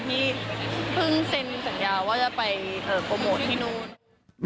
ที่เพิ่งเซ็นสัญญาว่าจะไปโปรโมทที่นู่น